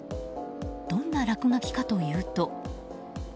どんな落書きかというと。